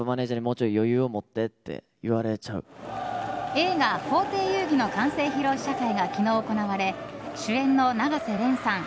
映画「法廷遊戯」の完成披露試写会が昨日行われ主演の永瀬廉さん